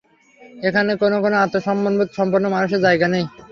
এখানে কোনো আত্মসম্মানবোধ সম্পন্ন মানুষের জায়গা নেই।